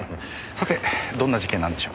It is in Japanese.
さてどんな事件なんでしょう？